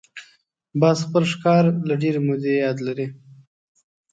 باز خپل ښکار له ډېرې مودې یاد لري